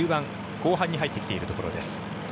後半に入ってきているところです。